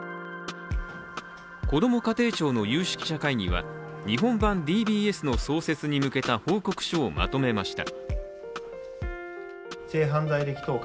こども家庭庁の有識者会議は日本版ＤＢＳの創設に向けた報告書をまとめました。